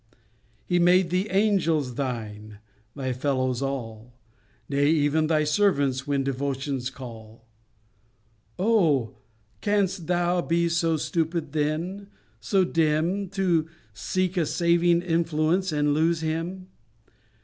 He made the Angels thine, thy fellows all; Nay even thy servants, when devotions call. Oh! canst thou be so stupid then, so dim, To seek a saving influence, and lose Him?